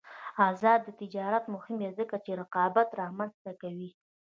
آزاد تجارت مهم دی ځکه چې رقابت رامنځته کوي.